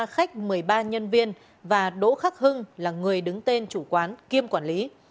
khách một mươi ba nhân viên và đỗ khắc hưng là người đứng tên chủ quán kiêm quản lý